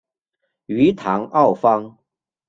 于唐奥方。